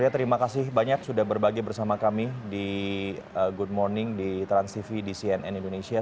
terima kasih banyak sudah berbagi bersama kami di good morning di transtv di cnn indonesia